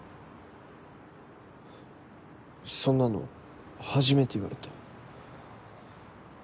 そんなの初めて言われた。